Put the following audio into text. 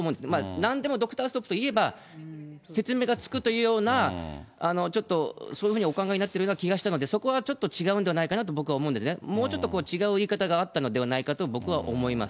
なんでもドクターストップと言えば説明がつくとお考えになっているような、そういうふうにお考えになってる気がしたので、そこはちょっと違うんではないかなと思うんですね、もうちょっと違う言い方があったんじゃないかと僕は思います。